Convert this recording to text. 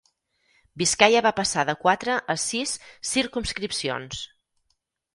Biscaia va passar de quatre a sis circumscripcions.